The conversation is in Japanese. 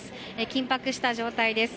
緊迫した状態です。